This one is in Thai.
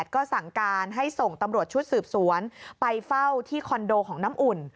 ก็สั่งการให้ส่งตำรวจชุดสืบสวนไปเฝ้าที่คอนโดของน้ำอุ่น